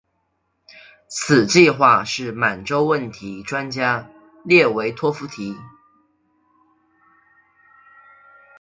此计划是满洲问题专家列维托夫提出的。